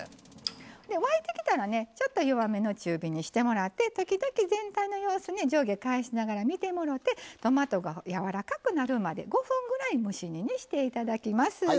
沸いてきたら、ちょっと弱めの中火にしてもらって時々、全体の様子を上下を返しながら見てもろうてトマトがやわらかくなるまで５分ぐらい蒸し煮にしていただきます。